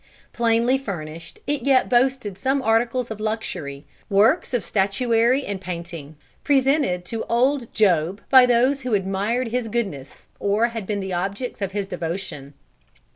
Plainly furnished, it yet boasted some articles of luxury; works of statuary and painting, presented to old Job by those who admired his goodness, or had been the objects of his devotion.